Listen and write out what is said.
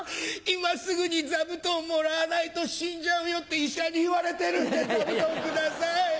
今すぐに座布団もらわないと死んじゃうよって医者に言われてるんで座布団下さい。